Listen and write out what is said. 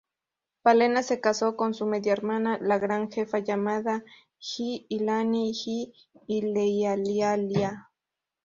Palena se casó con su media hermana, la Gran Jefa llamada Hiʻilani-Hiʻileialialia.